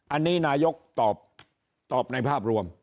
อันนี้นายกตอบในภาพรวม